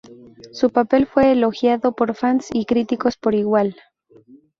Su papel fue elogiado por fans y críticos por igual.